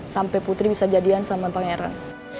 sampai putri bisa jadian sama pangeran